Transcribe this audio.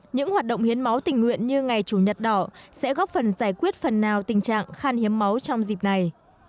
những hoạt động hiến máu tình nguyện như ngày chủ nhật đỏ sẽ góp phần giải quyết phần nào tình trạng khan hiếm máu trong dịp này